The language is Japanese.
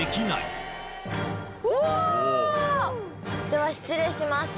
では失礼します。